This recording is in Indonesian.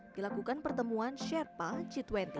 dilakukan pertemuan sherpa g dua puluh